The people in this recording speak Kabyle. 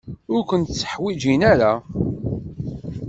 Ur kent-tteḥwijin ara.